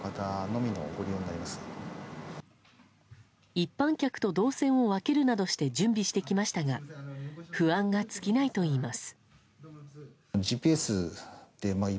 一般客と動線を分けるなどして準備してきましたが不安が尽きないといいます。